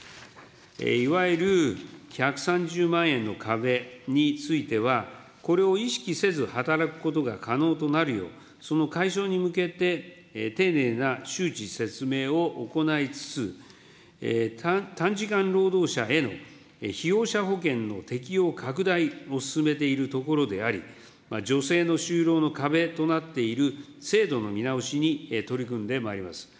いわゆる１３０万円の壁については、これを意識せず、働くことが可能となるよう、その解消に向けて、丁寧な周知説明を行いつつ、短時間労働者への被用者保険の適用拡大を進めているところであり、女性の就労の壁となっている制度の見直しに取り組んでまいります。